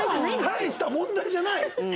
大した問題じゃない？